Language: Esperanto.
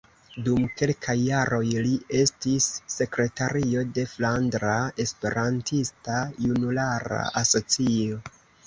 Dum kelkaj jaroj li estis sekretario de Flandra Esperantista Junulara Asocio.